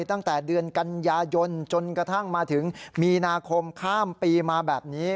ตั้งแต่เดือนกันยายนจนกระทั่งมาถึงมีนาคมข้ามปีมาแบบนี้